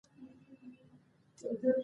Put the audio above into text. لیکواله د طنز او انتقاد په هنر مهارت لرلو.